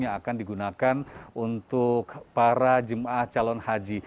yang akan digunakan untuk para jemaah calon haji